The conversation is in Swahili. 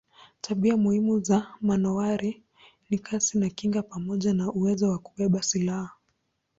Tabia muhimu za manowari ni kasi na kinga pamoja na uwezo wa kubeba silaha.